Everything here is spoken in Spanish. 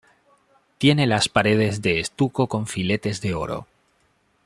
Tiene las paredes de estuco con filetes de oro.